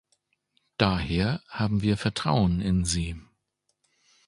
Daher haben wir Vertrauen in Sie.